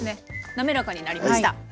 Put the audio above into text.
滑らかになりました。